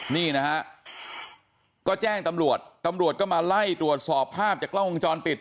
นี่นะฮะก็แจ้งตำรวจตำรวจก็มาไล่ตรวจสอบภาพจากกล้องวงจรปิด